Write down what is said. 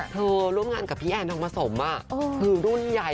เธอร่วมงานกับพี่แอ้นออกมาสมคือรุ่นใหญ่